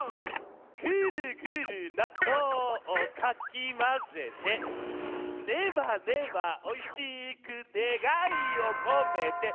「グルグルなっとうかきまぜて」「ネバネバおいしくねがいをこめて」